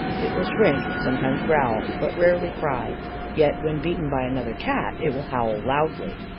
It will shrink; sometimes growl; but rarely cry: yet when beaten by another Cat, it will howl loudly.